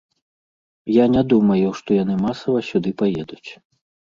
Я не думаю, што яны масава сюды паедуць.